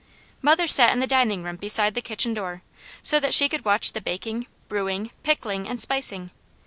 Mother sat in the dining room beside the kitchen door, so that she could watch the baking, brewing, pickling, and spicing.